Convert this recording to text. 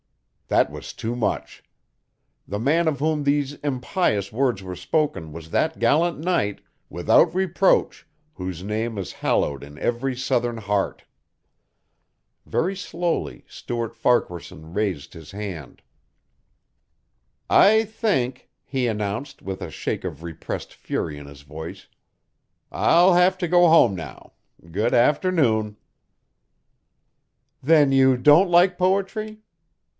That was too much! The man of whom these impious words were spoken was that gallant knight, without reproach, whose name is hallowed in every Southern heart. Very slowly Stuart Farquaharson raised his hand. "I think," he announced with a shake of repressed fury in his voice, "I'll have to go home now. Good afternoon." "Then you don't like poetry?"